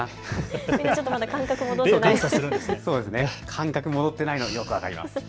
感覚戻ってないのよく分かります。